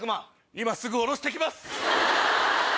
今すぐ下ろして来ます！